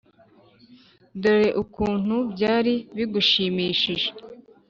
Dore ukuntu byari bigushimishije!